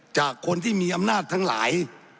จากคนที่มีอำนาจทั้งหลาย